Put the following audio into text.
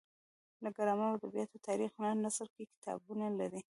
لکه ګرامر او د ادبیاتو تاریخ هنري نثر کې کتابونه لري.